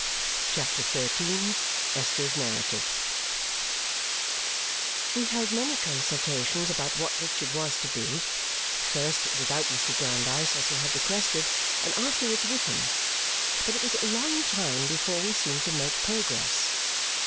CHAPTER XIII Esther's Narrative We held many consultations about what Richard was to be, first without Mr. Jarndyce, as he had requested, and afterwards with him, but it was a long time before we seemed to make progress.